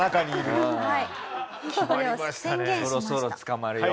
そろそろ捕まるよ